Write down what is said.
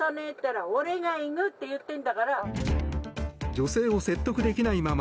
女性を説得できないまま